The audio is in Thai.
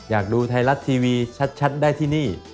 อยากดูไทยรัฐทีวีชัดได้ที่นี่